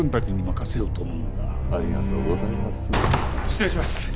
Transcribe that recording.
失礼します！